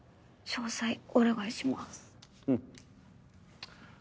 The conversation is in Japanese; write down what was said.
詳細お願いします。